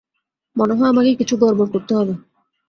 মনে হয় আমাকে কিছু গড়বড় করতে হবে।